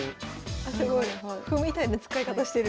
あすごい歩みたいな使い方してる。